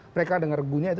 mereka dengar regunya itu